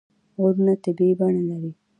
غرونه طبیعي بڼه لري.